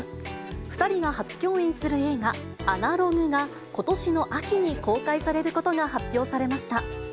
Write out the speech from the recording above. ２人が初共演する映画、アナログが、ことしの秋に公開されることが発表されました。